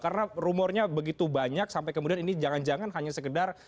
karena rumornya begitu banyak sampai kemudian ini jangan jangan hanya sekedar